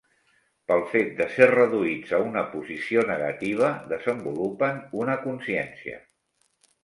Pel fet de ser reduïts a una posició negativa, desenvolupen una consciència.